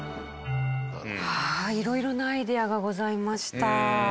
色々なアイデアがございました。